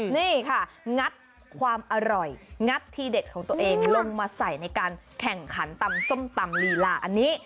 นี่ค่ะงัดความอร่อยงัดทีเด็ดของตัวเองลงมาใส่ในการแข่งขันตำส้มตำลีลาอันนี้